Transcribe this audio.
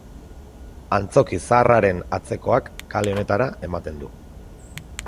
Antzoki Zaharraren atzekoak kale honetara ematen du.